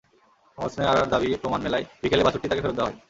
হোসনে আরার দাবির প্রমাণ মেলায় বিকেলে বাছুরটি তাঁকে ফেরত দেওয়া হয়।